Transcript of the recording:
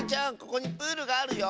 ここにプールがあるよ。